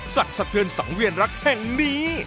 สะเทือนสังเวียนรักแห่งนี้